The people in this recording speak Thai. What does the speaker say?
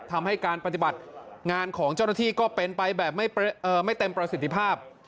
ทำให้การปฏิบัติงานของเจ้าหน้าที่ก็เป็นไปแบบไม่เต็มประสิทธิภาพ